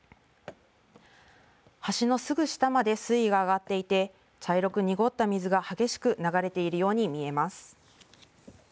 橋のすぐ下まで水位が上がっていて茶色く濁った水が激しく流れているように見えます。